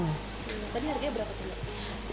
tadi harganya berapa